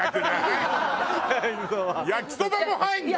焼きそばも入るの？